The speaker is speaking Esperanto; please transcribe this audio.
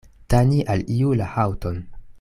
Tani al iu la haŭton.